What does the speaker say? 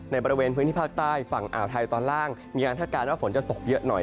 บริเวณพื้นที่ภาคใต้ฝั่งอ่าวไทยตอนล่างมีการคาดการณ์ว่าฝนจะตกเยอะหน่อย